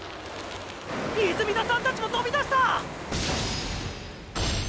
泉田さんたちもとびだした！